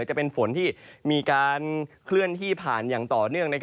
จะเป็นฝนที่มีการเคลื่อนที่ผ่านอย่างต่อเนื่อง